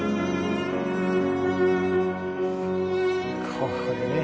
ここでね。